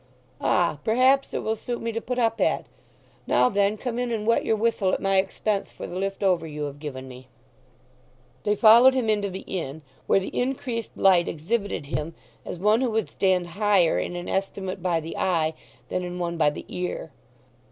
"Ah, perhaps it will suit me to put up at. Now then, come in and wet your whistle at my expense for the lift over you have given me." They followed him into the inn, where the increased light exhibited him as one who would stand higher in an estimate by the eye than in one by the ear.